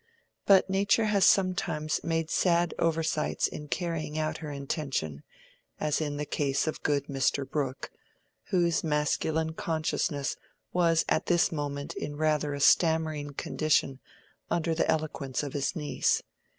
But nature has sometimes made sad oversights in carrying out her intention; as in the case of good Mr. Brooke, whose masculine consciousness was at this moment in rather a stammering condition under the eloquence of his niece.